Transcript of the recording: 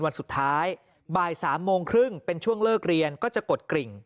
วันสุดท้ายบ่าย๓โมงครึ่งเป็นช่วงเลิกเรียนก็จะกดกริ่ง